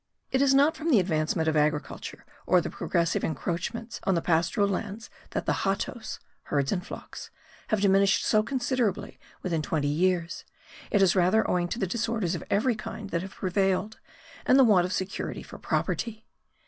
It is not from the advancement of agriculture or the progressive encroachments on the pastoral lands that the hatos (herds and flocks) have diminished so considerably within twenty years; it is rather owing to the disorders of every kind that have prevailed, and the want of security for property.